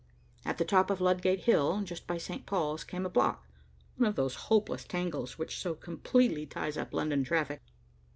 At the top of Ludgate Hill, just by St. Paul's, came a block, one of those hopeless tangles which so completely ties up London traffic.